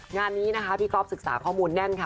งานนี้นะคะพี่ก๊อฟศึกษาข้อมูลแน่นค่ะ